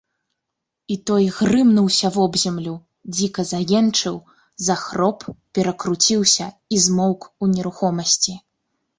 І той грымнуўся вобземлю, дзіка заенчыў, захроп, перакруціўся і змоўк у нерухомасці.